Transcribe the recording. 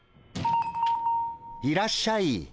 いらっしゃい。